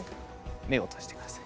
目を閉じてください。